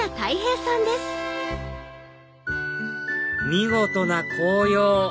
見事な紅葉！